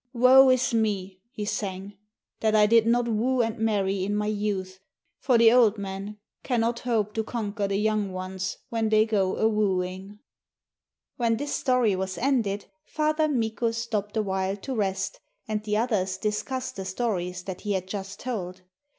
'Woe is me,' he sang, 'that I did not woo and marry in my youth, for the old men cannot hope to conquer the young ones when they go a wooing.' When this story was ended, Father Mikko stopped a while to rest, and the others discussed the stories that he had just told.